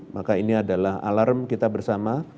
maka ini adalah alarm kita bersama